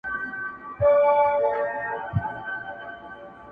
ساقي نه وي یاران نه وي رباب نه وي او چنګ وي,